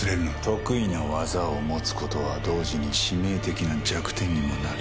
得意な技を持つことは同時に致命的な弱点にもなる。